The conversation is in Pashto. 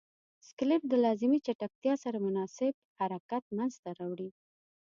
سکلیټ د لازمې چټکتیا سره مناسب حرکت منځ ته راوړي.